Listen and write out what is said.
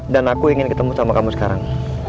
dan aku ingin ketemu sama kamu sekarang